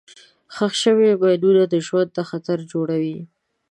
ښخ شوي ماینونه ژوند ته خطر جوړوي.